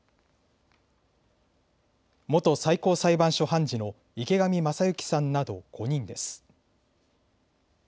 元最高裁判所判事の池上政幸さんなど５人です。